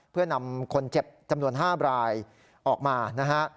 เพื่อนำคนเจ็บจำนวน๕รายออกมานะฮะ